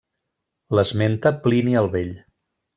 L'esmenta Plini el Vell.